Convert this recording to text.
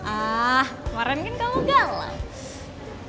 ah kemarin kan kamu galas